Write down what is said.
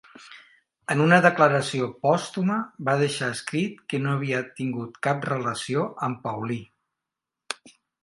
En una declaració pòstuma, va deixar escrit que no havia tingut cap relació amb Paulí.